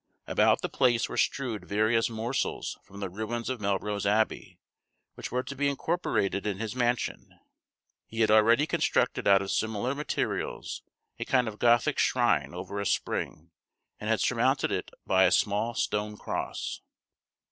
About the place were strewed various morsels from the ruins of Melrose Abbey, which were to be incorporated in his mansion. He had already constructed out of similar materials a kind of Gothic shrine over a spring, and had surmounted it by a small stone cross.